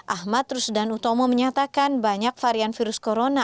ahmad rusdan utomo menyatakan banyak varian virus corona